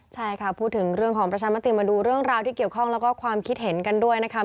ใช่ค่ะพูดถึงเรื่องของประชามติมาดูเรื่องราวที่เกี่ยวข้องแล้วก็ความคิดเห็นกันด้วยนะคะ